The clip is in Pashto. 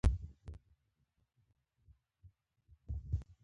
بېنظیره هغه وخت څه پوه شوه چي طالبان دا بندیزونه لګوي؟